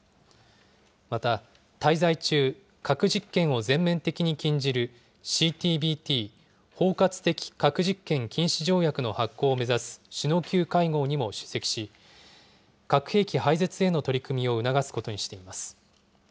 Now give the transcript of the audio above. また、滞在中、核実験を全面的に禁じるＣＴＢＴ・包括的核実験禁止条約の発効を目指す首脳級会合にも出席し、核兵器廃絶への取り組みを促すことにしています。